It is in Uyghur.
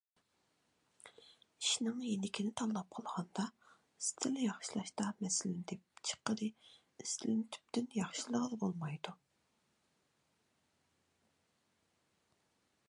ئىشنىڭ يېنىكىنى تاللاپ قىلغاندا ئىستىل ياخشىلاشتا مەسىلىنى تېپىپ چىققىلى، ئىستىلنى تۈپتىن ياخشىلىغىلى بولمايدۇ.